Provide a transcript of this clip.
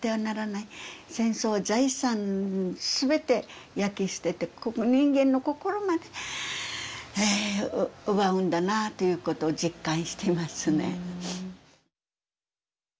戦争は財産全て焼き捨てて人間の心まで奪うんだなあということを実感してますね。